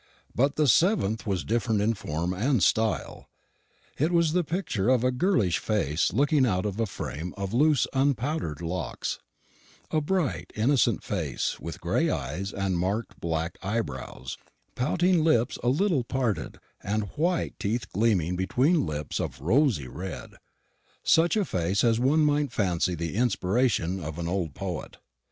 But the seventh was different in form and style: it was the picture of a girlish face looking out of a frame of loose unpowdered locks; a bright innocent face, with gray eyes and marked black eyebrows, pouting lips a little parted, and white teeth gleaming between lips of rosy red; such a face as one might fancy the inspiration of an old poet.